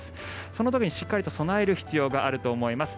そういう時にしっかり備える必要があると思います。